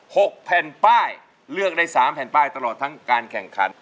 หกแผ่นป้ายเลือกได้สามแผ่นป้ายตลอดทั้งการแข่งขัน